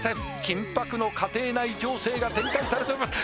緊迫の家庭内情勢が展開されております